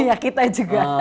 ya kita juga